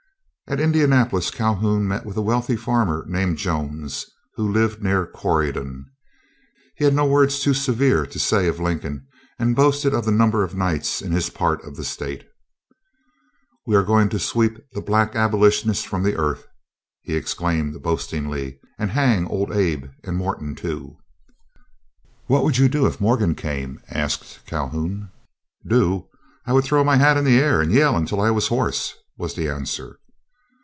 At Indianapolis Calhoun met with a wealthy farmer named Jones, who lived near Corydon. He had no words too severe to say of Lincoln, and boasted of the number of Knights in his part of the state. "We are going to sweep the Black Abolitionists from the earth," he exclaimed, boastingly, "and hang Old Abe, and Morton too." "What would you do if Morgan came?" asked Calhoun. "Do? I would throw my hat in the air and yell until I was hoarse," was the answer.